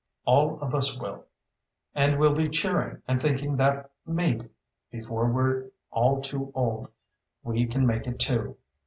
All of us will. And we'll be cheering and thinking that maybe, before we're all too old, we can make it, too.